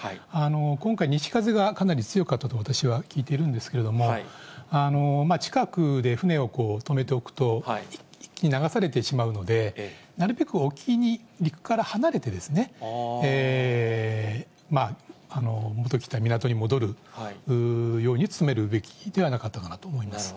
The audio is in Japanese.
今回、西風がかなり強かったと私は聞いているんですけれども、近くで船を泊めておくと、一気に流されてしまうので、なるべく沖に、陸から離れて、元来た港に戻るように努めるべきではなかったかなと思うんです。